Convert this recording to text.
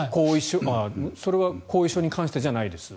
それは後遺症に関してじゃないですよね。